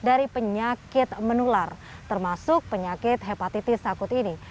dari penyakit menular termasuk penyakit hepatitis akut ini